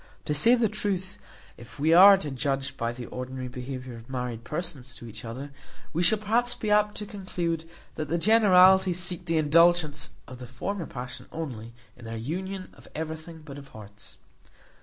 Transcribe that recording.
To say the truth, if we are to judge by the ordinary behaviour of married persons to each other, we shall perhaps be apt to conclude that the generality seek the indulgence of the former passion only, in their union of everything but of hearts.